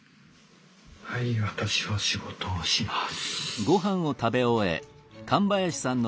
はい私は仕事をします。